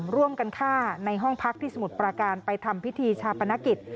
ร่วมกันฆ่าในห้องพักที่สมุทรปราการไปทำพิธีชาปนกิจ